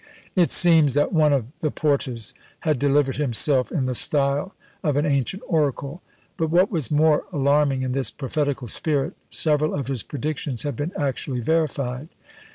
It seems that one of the Porta's had delivered himself in the style of an ancient oracle; but what was more alarming in this prophetical spirit, several of his predictions had been actually verified!